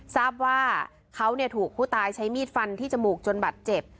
ทราบว่าเขาถูกผู้ตายใช้มีดฟันที่จมูกจนบัตรเจ็บ